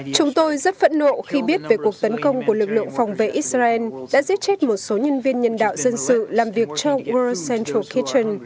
chúng tôi rất phẫn nộ khi biết về cuộc tấn công của lực lượng phòng vệ israel đã giết chết một số nhân viên nhân đạo dân sự làm việc cho world central kitchen